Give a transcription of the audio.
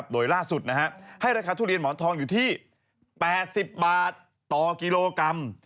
โดยล่าสุดให้ราคาทุเรียนหมอนทองอยู่ที่๘๐บาทต่อกิโลกรัม